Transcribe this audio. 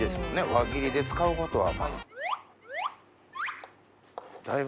輪切りで使うことは。